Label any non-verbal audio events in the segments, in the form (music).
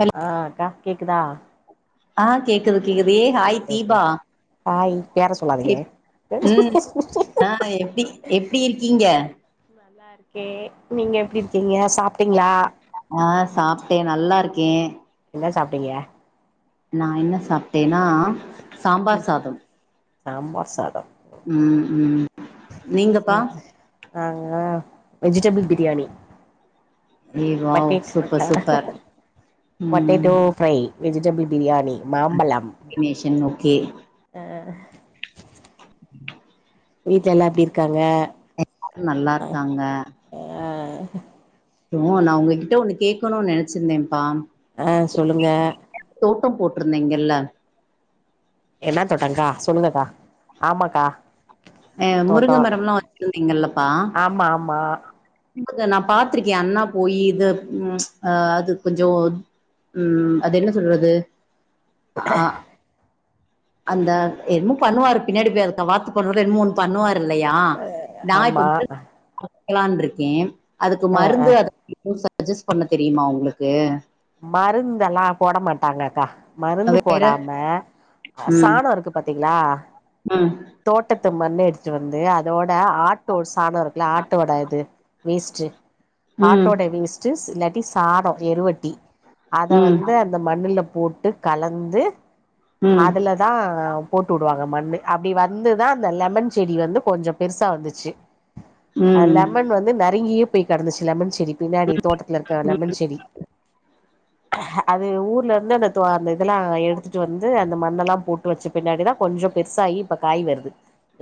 hello அ அக்கா கேக்குதா ஆ கேக்குது கேக்குது ஏய் hi okay okay Deepa hi பேர சொல்லாதீங்க எப் ம் ஆ எப்டி எப்டி இருக்கீங்க கே நீங்க எப்டி இருக்கீங்க சாப்ட்டீங்களா ட்டே நல்லா இருக்கே என்ன சாப்ட்டீங்க நா என்ன சாப்ட்டேனா சாம்பார் சாதம் சாம்பார் சாதம் ம் ம் நீங்கப்பா நாங்க வெஜிடபிள் பிரியாணி ஏ wow potato super super potato fry vegetable biryani ம் காம்பினேஷன் ஓகே அ வீட்ல எல்லா எப்டி இருக்காங்க எல்லாரு நல்லா இருக்காங்க ஆ அப்றோ நா உங்ககிட்ட ஒன்னு கேட்கணும் நெனைச்சிருந்தேன்பா அ சொல்லுங்க நீங்கெல்லா என்ன தொட்டங்கா சொல்லுங்கக்கா ஆமாக்கா அ முருங்க தோட்டோ மரம்லா வச்சிருந்தீங்கல்லப்பா ஆமா ஆமா அத நா பாத்திருக்கே அண்ணா போயு இது அது கொஞ்சொ ம் அது என்ன சொல்றது அ அந்த என்னமோ பண்ணுவாரு பின்னாடி போய் அது வாரத்துக் ஒரு தடவ என்னமோ ஒன்னு பண்ணுவாரு இல்லையா நா இப்ப ஆமா வந்து வெக்கலான் இருக்கே அதுக்கு ஆ ஆ மருந்து அத சஜஸ் பண்ண தெரியுமா உங்களுக்கு மருந்தெல்லா போட மாட்டாங்க அக்கா மருந்து வேற போடாம அ ம் சானோ இருக்கு பாத்தீங்ளா ம் தோட்டத் ந்த மண்ணு எடுத்துட்டு வந்து அதோட ஆட்டோ சாணோ இருக்குல்ல ஆட்டோட இது வேஸ்ட்டு ம் ஆட்டோட வேஸ்ட்டு இல்லாட்டி சாணோ எருவட்டி அத ம் வந்து அந்த மண் இதுல போட்டு கலந்து ம் அதுலதா போட்டு உடுவாங் மண்ணு அப்படி வந்துதா அந்த லெமன் செடி வந்து கொஞ்ச பெருசா வந்துச்சு அ ம் லெமன் வந்து நெறய போய் கெடந்துச்சு லெமன் செடி பின்னாடி தோட்டத் ட்ல இருக்க லெமன் செடி அ அது ஊர்ல இருந்து அது இதெல்லா எடுத்துட்டு வந்து அந்த மண்ணெல்லா போட்டு வச்ச பின்னாடிதா கொஞ்ச பெருசாயி இப்ப காய் வருது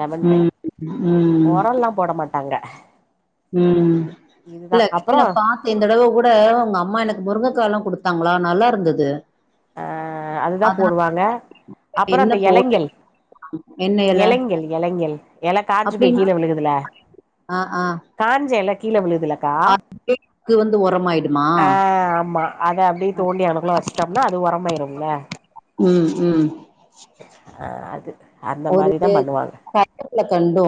லெமன் காய் ம் ம் ஒரம்ல்லா போட மாட் தாங்க.. ம் இல்ல நா பாத்த இந்ததடவ கூட உங்க அம்மா எனக்கு முருங்ககாலா குடுத்தாங்ளா நல்லா இருந்துது அ அதுதா போடுவாங்க அப்புற என்ன இந்த போ எலைங்கல் என்ன எல எளைங்கல் எளைங்கல் எல காஞ்சு போய் அப்டின்னு கீழ விழுகுதுல ஆ ஆ காஞ்ச எல கீழ விழு துலக்கா அதுக்கு வந்து ஒரமாயிடுமா அ ஆமா அத அப்டியே தோண்டி அங்கனகுல்ல வச்சுட்டோம்னா அது ஒரமாயிரும்ல ம் ம் அ அது அந்த ஒரு மாரிதா பண்ணுவாங்க பேக்கெட்ல கண்டு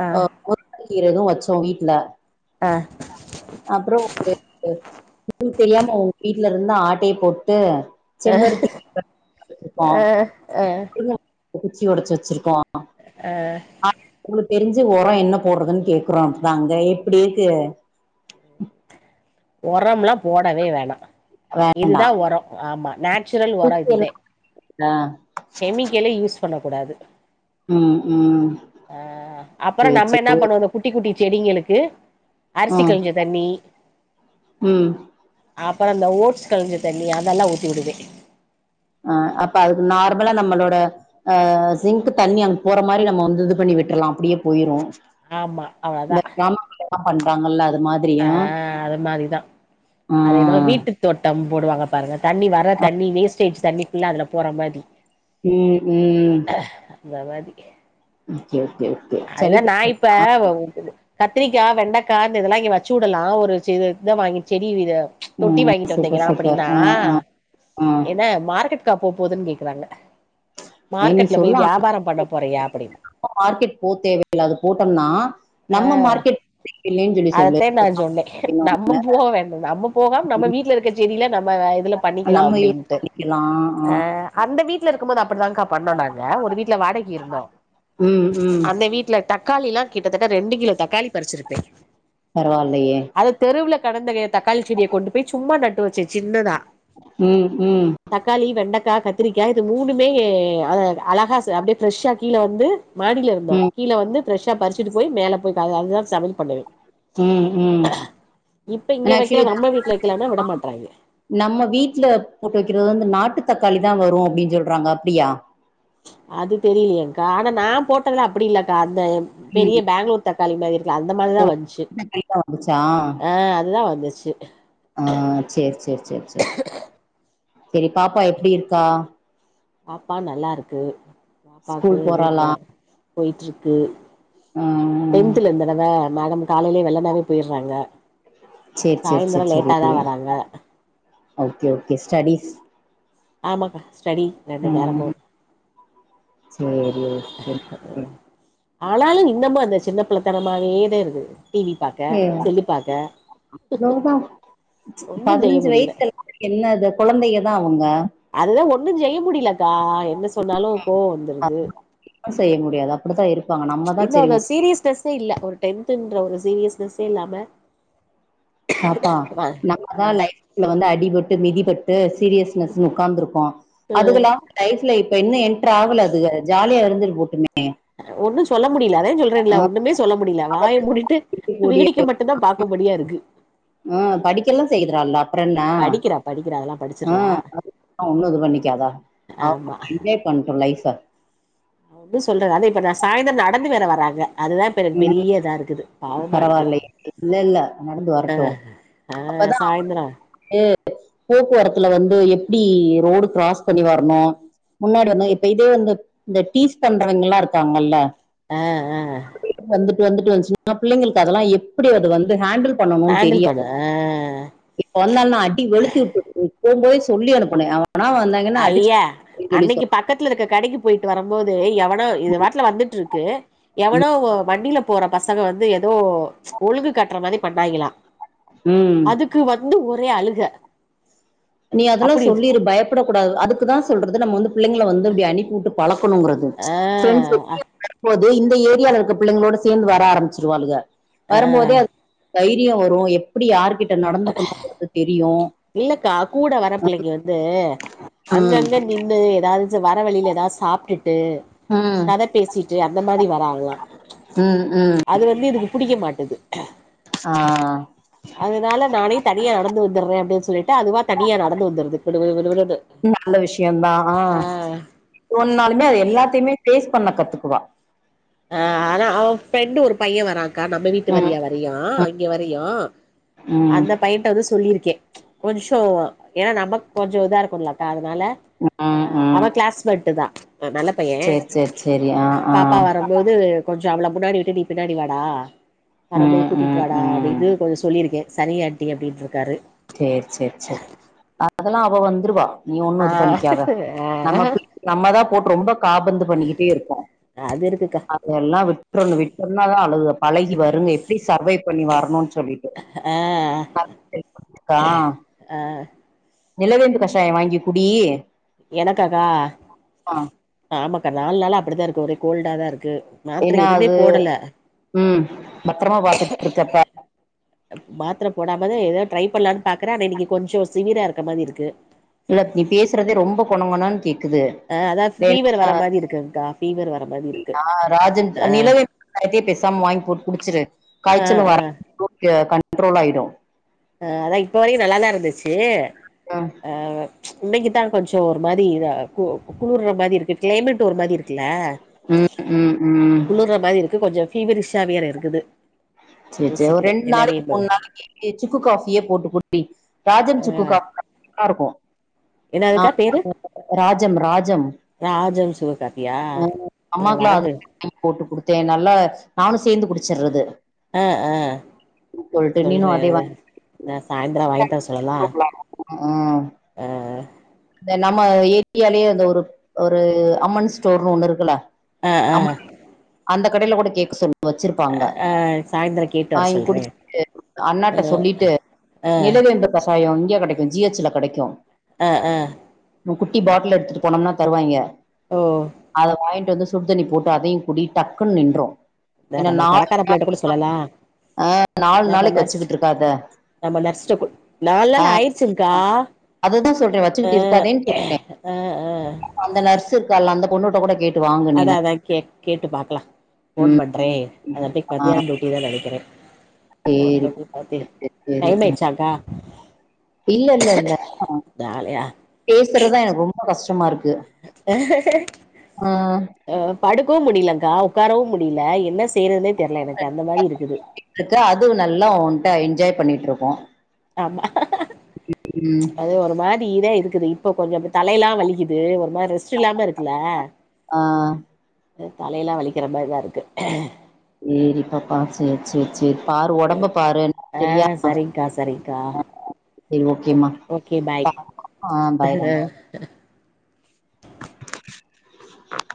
ஆ அ உருக்கிறது வச் சோ வீட்ல அப்றோ ஒரு உங்களுக்கு தெரியாம உங்க வீட்ல இருந்து ஆட்டைய போட்டு அ செம்பருத்தி அ ஒரு குச்சி ஒடைச்சு வச்சிருக்கோ அ உங்களுக்கு தெரிஞ்சு ஒர என்ன போடுறதுன் கேக்கறா அங்க எப்டி இருக்கு ஒரம்லா போடவே வேணா வேண்டா இதுதா ஒரோ ஆமா நேச்சுரல் ஒரோ குச்சி இதுதே எல்லா கெமிக்கலே யூஸ் பண்ண கூடாது ம் ம் அ அப்புற சேரி நம்ம சேரி என்ன பண்ணுவோ அ இந்த குட்டி குட்டி செடிங்களுக்கு அரிசி ம் கொழஞ்ச தண்ணி ம் அப்புறம் இந்த ஓட்ஸ் கழெஞ்ச தண்ணி அதெல்லா ஊத்தி உடுவே ஆ அப்ப அதுக்கு நார்மலா நம்மளோட ஆ ஜிங்க்கு தண்ணி அங்க போற மாரி நம்ம வந்து இது பண்ணி விட்ர்லாம் அப்டியே போயிரு ஆமா அவ்ளதா இந்த கிராமத்துலல்லா பண்றாங்கல்ல அது ஆ அது மாரிதா ஆ அதன வீட்டு தோட்டம் போடுவாங்க பாருங்க தண்ணி வர தண்ணி வேஸ் ஸ்டேட் தண்ணிக்ஃபுள்ளா அதுல போற மாரி ம் ம் ம் ந்த மாதி ஒகே அதுதா நா இப்ப கத்திரிக்காய வெண்டக்காய் இந்த இதெல்லா இங்க வச்சு உடலா ஒரு ச இதான் வாங்கி செடி இத தொட்டி ம் வாங்கிட்டு சூப்பர் வந்தீங்கன்னா சூப்பர் அப்படின்னா ஆ ஆ ஆ என மார்க்கெட் போபோதுன்னு கேக்குறாங்க ஏ நீ மார்க்கெட்ல போய் சொல்லு ஆனா வியாபார பண்ண போறியா அப்படின்னு நம்ம மார்க்கெட் அது தேவையில்லாது போட்டோம்னா நம்ம மார்க்கெட் (inaudible) சொல்லு அதத்தே நா சொன்னே நம்ம போக வேண்டது நம்ம போகாம நம்ம வீட்ல இருக்க செடியில நம்ம இதுல பண்ணிக்கலா நம்ம யூஸ் அப்டின்னுட்டு பண்ணிக்கலா ஆ அ அந்த வீட்டல இருக்கு போது அப்டிதாக்கா பண்ணோ நாங்க ஒரு வீட்ல வாடகை இருந்தோ ம் ம் அந்த வீட்ல தக்காளி எல்லா கிட்டத்தட்ட ரெண்டு கிலோ தக்காளி பறிச்சிருப்பே பரவால்லையே அது தெருவுல கடந்த தக்காளி செடியை கொண்டு போய் சும்மா நட்டு வச்சேன் சின்னதான் ம் ம் கா கத்திரிக்காய் இது மூணுமே அழகா அப்டியே ஃப்ரஷ்ஷா கீழ வந்து மாடி தோ ம் கீழ வந்து ஃபிரெஷ்ஷா பறிச்சிட்டு போய் மேல போய் அதுதா சமையல் பண்ணுவ ம் ம் இப்ப இங்க வைக்கல ஆக்சுவலி நம்ம வீட்ல வைக்கலானா விட மாட்றாங்க நம்ம வீட்ல போட்டு வைக்கிறது வந்து நாட்டு ட்டு தக்காளி தா வரு அப்டின்னு சொல்றாங்க அப்டியா அது தெரியலைய்கா ஆனா நா போட்டதுல அப்டி இல்க்கா அந்த பெரிய ம் பெங்ளூர் தக் காளி மாதிரி இருக்கு அந்த ஓ மாதிரிதான் வந்துச்சு தக்காளி தான் வந்துச்சா ஆ அதுதா வந்துச்சு ஆ சேரி சேரி சேரி சேரி சேரி பாப்பா எப்டி இருக்கா பாப்பா நல்லா இருக்கு பாப்பாக்கு ஸ்கூல் எதுவு இல்ல போறாளா போய்ட்டு இருக்கு ம் டென்த்ல இந்தடவ மேடம் காலையிலயே வெள்ளனாவே போயிட்றாங்க சேரி சேரி சேரி சாயந்தர சேரி லேட்டாதா வராங்க ஓகே ஓகே ஸ்டடீஸ் ஆமாக்கா ஸ்டடி ரெண்டு நேரமு சேரி ஓகே ஆனாலும் இன்னம அந்த சின்ன பிள்ளைத்தனமேதான் இருக்கு டிவி பாக்க செல்லு பாக்க அதோதா ஒன்னு செய்ய பதினஞ்சு முடியல வயசு எல்லாம்க்கு என்னது குழந்தைைய தா அவங்க அதுதா ஒன்னு செய்ய முடியலக்கா என்ன சொன்னாலு கோவ வந்துருது ஒன்னும் செய்ய முடியாது அப்டித்தான் இருப்பாங்க நம்ம தான் இன்னு சேரி அந்த சீரியஸ்னஸ்ஸே இல்ல ஒரு டென் டென்த்ன்ற ஒரு சீரியஸ்னஸ்ஸே இல்லாம பாப்பா நம்மதா ஆ லைஃப்ல வந்து அடிபட்டு மிதிபட்டு சீரியஸ்னஸ் உட்கார்ந்து இருக்கோ அதுகலா லைஃப்ல இப்ப இன்னு என்டர் ஆகல அதுக ஜாலியா இருந்து போட்டுமே ஒன்னு சொல்ல முடியல அதான் சொல்றேன்ல ஆ ஒண்ணுமே சொல்ல முடியல வாய முடிட்டு கூடிய வேடிக்கை மட்டும் தா பாக்க படியா இருக்கு ஆ படிக்கல்லா செய்றால அப்புற என்னா படிக்கிறா படிக்கிறா அதெல்லா படிச்சிட்றா ஆஹ் ஒண்ணும் இது பண்ணிக்காதா அவ ஆமா என்ஜாய் பண்ட்டும் லைஃப நா எதும் சொல்லல அது இப்ப நான் சாய்ந்தரம் நடந்து வேற வராங்க அதுதான் ம் பெரிய இதா இருக்குது பாவமா இருக்கு பரவாயில்லயே இல்ல இல்ல நடந்து ஆ வரட்டும் ஆ அப்பதா அவ சாயந்தரோ து போக்குவரத்துல வந்து எப்டி ரோடு க்ராஸ் பண்ணி வரணும் முன்னாடி வந்தா இப்ப இதே வந்து இந்த டீஸ் பண்றவய்ங்கல்லா இருக்காங்கல்ல ஆஹ் ஆஹ் (unintelligible) வந்துட்டு வந்துட்டு வந்ச்சுனா பிள்ளைங்களுக்கு அதெல்லாம் எப்டி அது வந்து ஹாண்டில் பண்ணணும்னு ஹேண்டில் பண்ண தெரியாதுல்ல இப்ப வந்தானா அடி வெளுத்து வுட்டு போம் போதே சொல்லி அனுப்புனே அவன் ஐய்யா அன்னைக்கு பக்கத்துல இருக்க கடைக்கு போயிட்டு வரும் போது எவன் ஆ இது வாட்டுல வந்துட்டிருக்கு எவனோ வண்டில போற பசங்க வந்து ஏதோ ஒழுங்குக்கு காட்ற மாரி பண்ணாய்ங்கலா ம் அதுக்கு வந்து ஒரே அழுக நீ அதெல்லா அப்டி சொல்லிரு பயப்படக்கூடாது அதுக்குதான் சொல்றது நம்ம வந்து பிள்ளைங்கள வந்து இப்டி அனுப்பிவுட்டு பழக் ப்புனுங்கறது ஆ ஃப்ரெண்ட்ஸ் வெளியே வரும்போதுஇந்த ஏரியால இருக்கற புள்ளைங்களோட சேந்து வர ஆரம்பிச்சிருவாளுக ஆஹ் தைரியோ வரும் எப்டி யாருகிட்ட நடந்துக்கணும்ங்கறது தெரியும் இல்லக்கா கூட வர பிள்ளைங்க வந்து ம் அங்கங்க நின்னு‌ எதாவது வர வழியில ஏதாவது சாப்பிட்டுட்டு ம் கதை பேசிட்டு அந்த மாறி வராங்ளா ம் ம் அது வந்து இதுக்கு புடிக்க மாட்டது ஆ அதனால நானே தனியா நடந்து வந்துட்றேன் அப்டின் ட்டா அதுவா தனியா நடந்து வந்துடுது குடுகுடு குடுகுடுன்னு ஆஹ் சொன்னாலுமே அது எல்லாத்தையுமே ஃபேஸ் பண்ண கத்துக்குவா ஆஹ் ஆனா அவ ஃப்ரெண்டு ஒரு பையன் வரான்க்கா நம்ம வீட்டு ம் வரையா வரையு ம் இங்க வரையு ம் அந்த பையன்ட்ட வந்து சொல்லியிருக்கே கொஞ்சோ ஏன்னா நமக்கு கொஞ்சம் இதாருக் புள்ளக்கா அதனால ம் அவ ம் க்ளாஸ்மெட்டு தா நல்ல பைய சேரி சேரி சேரி ஆ ஆ பாப்பா வரம் கொஞ்சோ அவள முன்னாடி விட்டு நீ பின்னாடி வாடா வரும்போது ம் கூட்டிட்டு ம் வாடா ம் அப்டின்னு கொஞ்சோ சொல்லிருக்கே சரி ஆன்ட்டி அப்டின்று சேர் சேர் செர் அதெல்லா அவ வந்துருவா நீ ஒண்ணும் ஆ இது பண்ணிக்காத ஆ நம்ம புள்ளிங் நம்மதா போட்டு ரொம்ப காபந்து பண்ணிக்கிட்டே இருக்கோ அது இருக்குக்கா அதல்லா விட்றனும் விட்டம்னா தான் அழுக பழகி வருங்க எப்டி சர்வைவ் பண்ணி வரணும்னு சொல்லிட்டு ஆ கா அஹ் நிலவேம்பு கஷாயம் வாங்கி குடி எனக்காக்கா ஆ ஆமாக்கா நாலு நாளா அப்டிதா இருக்கு ஒரே கோல்டா தா இருக்கு மாத்திர ஏன்னா எதுவுமே அது போடல உம் பத்திரமா பாத்துட்டுருக்கப்ப மாத்திர போடாமத எதா ட்ரை பண்ணலான்னு பாக்கற ஆனா இன்னைக்கு கொஞ்சோ சிவியரா இருக்க மாறி இருக்கு இல்ல நீ பேசுறதே ரொம்ப கொன்ங்கொனனு கேக் குது ஆ அதா ஃபீவர் வேன்னா வர மாரி இருக்குங்க்கா ஃபீவர் வர மாரி இருக்கு ராஜன் ஆ நிலவே த்தே பேசாம வாங்கி போட்டு‌ குடிச்சுரு ஆ காய்ச்சலும் ஆ வராம த்ரோட்டு கண்ட்ரோல் ஆயிடும் அஹ் அதா இப்ப வரைக்கு நல்லாதா இருந்துச்சு ம் ஆஹ் இன்னைக்குதா கொஞ்சோ ஒரு மாதிரி இதா கு குளிர்ற மாதி இருக்கு க்ளைமேட் ஒரு மாதி இருக்குல ம் ம் ம் குளிர்ற மாறி இருக்கு கொஞ்சம் ஃபீவரிஷ்ஷா வேற இருக்குது சச்சோ ஒரு யோசிக்கிறே ரெண்டு நிலைமை நாளைக்கு மூணு என்பது நாளைக்கு சுக்கு காஃப் பியே போட்டு குடி ராஜம் ஆ சுக்கு காபி நல்லா இருக்கு என்னதுக்கா பேரு ஆஹ் ராஜம் ராஜம் ராஜம் சுககாப்பியா ஹ இது அம்மாக்கல்லா வரட்டு அதுதா போட்டு குடுத்தே நல்லா நானு சேந்து குடிச்சிற்றது அ அ நீனு சொல்றே அதே அ வாங்கி நா சாய்ந்துரோ‌ வாய்ட்டு வர சொல்லலா போட்லா ம் அ இந்த நம்ம ஏரியாலயே அந்த ஒரு ஒரு அம்மன் ஸ்டோர்ன்னு ஒண்ணு இருக்குல அ அ அந்த கடைல கூட கேக்க சொல் வச்சிருப்பாங்க ஆ சாய்ந்தரோ கேட்டு வர வாய்ங் சொல்றே குடிச்சிகிட்டு அண்ணாட்ட ஆ சொல்லிட்டு ஆ நிலவேம்பு கசாயோ இங்க கெடைக்கு ஜிஹச்ல கெடைக்கு அ அ ஒரு குட்டி பாட்டில் எடுத்துட்டு போனோம்னா தருவாய்ங்க ஓ அத வாய்ங் கொஞ்சோ வந்து சுட்தனி போட்டு அதையு குடி டக்குன் நின்றோ இந்த ஏன்னா நம்ம நாலு கடக்கார நாலு பிள்ளைட்ட கூட லா சொல்லலா அ நாலு நம்ம நாளைக்கு நர்ஸ் வெச்சிக்கிட்ருக்காத நம்ம நர்ஸ்டக்கு நாலு நாள் ஆயிடிச்சிங்கா அதுதா சொல்ற வச்சிக்கிட்டுருக் அ அ அ அந்த நர்ஸ்ஸு இருக்கால்ல அந்த பொண்ணுட்ட கூட கேட் அதா அதா கேட் கேட்டு பாக்கலா ஃபோன் பண்றே ம் அதட்ட ஆ மத்யாணோ டூட்டி தா நெனைக்க ஃபோன் சேரி பண்ணி பாத்தே டைம்மாயிடிச்சாக்கா இல்லல்லல்ல நாளையா பேசுறதா எனக்கு ரொம்ப கஷ்டமாருக் அ படுக்கவு முடிலங் கா உக்காரவு முடில என்ன செய்யறதுன்னே தெர்ல எனக்கு அந்த மாரி இருக்குது எக்க அது நல்லா உன்ட்ட என்ஜாய் பண்ணிட்ருக்கோ ஆமா அது ஒரு மாதி இதா இருக்குது இப்போ கொஞ்சோ தலையெல்லா வலிக்குது ஒரு இது மாரி ரெஸ்ட்டு இல்லாம இருக்குல ஆ அ தலையெல்லா வலிக்கிற மாரி தாருக்கு சேரிப்பப்பா செரி செரி செரி பாரு ஒடம்பப்பாரு ஆ செரியா அ சரிங்க்கா சரிங்க்கா செரி ஓகேமா ஓகே ஓகே பாய் அ பாய்டாமா அஹ